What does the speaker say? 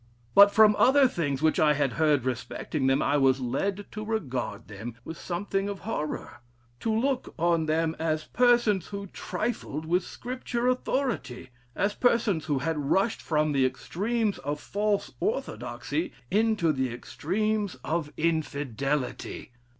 But from other things which I had heard respecting them, I was led to regard them with something of horror to look, on them as persons who trifled with Scripture authority, as persons who had rushed from the extremes of false orthodoxy into the extremes of Infidelity.